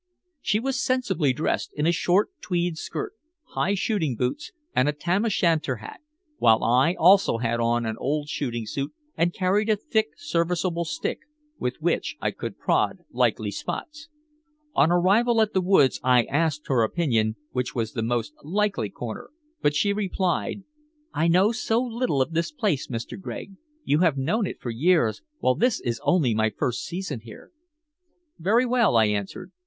She was sensibly dressed in a short tweed skirt, high shooting boots and a tam o' shanter hat, while I also had on an old shooting suit and carried a thick serviceable stick with which I could prod likely spots. On arrival at the wood I asked her opinion which was the most likely corner, but she replied: "I know so little of this place, Mr. Gregg. You have known it for years, while this is only my first season here." "Very well," I answered.